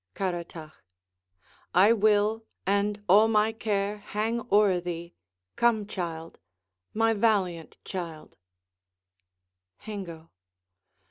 Caratach I will, and all my care hang o'er thee! Come, child, My valiant child!